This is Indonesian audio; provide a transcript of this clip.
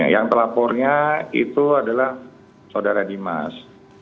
yang telapornya itu adalah saudara dimas